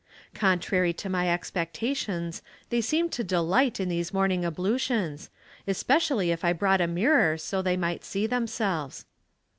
Contrary to my expectations they seemed to delight in these morning ablutions, especially if I brought a mirror so they might see themselves.